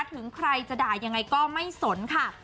ถึงใครจะด่ายังไงก็ไม่สนค่ะ